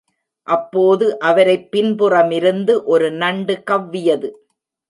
அப்போது அவரைப் பின்புறமிருந்து ஒரு நண்டு கவ்வியது.